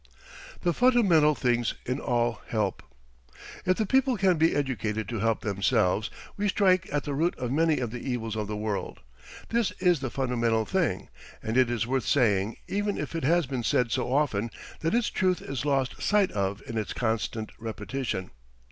THE FUNDAMENTAL THING IN ALL HELP If the people can be educated to help themselves, we strike at the root of many of the evils of the world. This is the fundamental thing, and it is worth saying even if it has been said so often that its truth is lost sight of in its constant repetition.